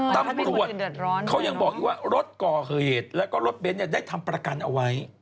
ตำรวจเขายังบอกอีกว่ารถก่อเหตุแล้วก็รถเบนท์ได้ทำประกันเอาไว้